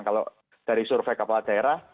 kalau dari survei kepala daerah